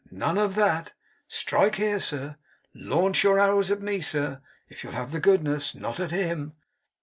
None of that. Strike here, sir, here! Launch your arrows at me, sir, if you'll have the goodness; not at Him!